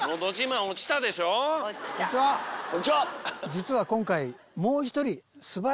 実は今回。